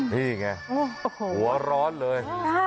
นี่ไงหัวร้อนเลย